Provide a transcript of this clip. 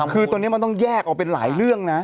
คือตอนนี้มันต้องแยกออกเป็นหลายเรื่องนะ